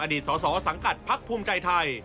อดีตสสสังกัดพักภูมิใจไทย